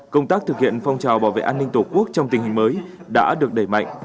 công tác thực hiện phong trào bảo vệ an ninh tổ quốc trong tình hình mới đã được đẩy mạnh